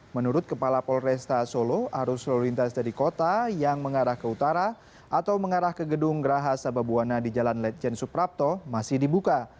menurut kepala polresta solo arus lalu lintas dari kota yang mengarah ke utara atau mengarah ke gedung geraha sababwana di jalan ledjen suprapto masih dibuka